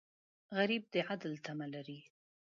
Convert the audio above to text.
غریب د عدل تمه لري